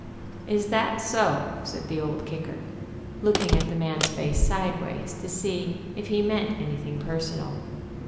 "Is that so?" said the Old Kicker, looking at the man's face sideways to see if he meant anything per sonal.